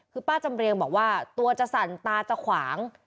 คือป้าจำเรียงบอกว่าตัวจะสั่นตาจะขวาง